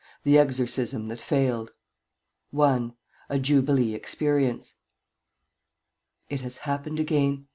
THE EXORCISM THAT FAILED I A JUBILEE EXPERIENCE It has happened again.